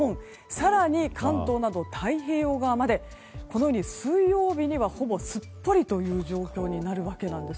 更に関東など、太平洋側までこのように水曜日にはほぼすっぽりという状況になるんです。